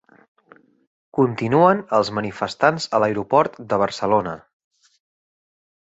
Continuen els manifestants a l'aeroport de Barcelona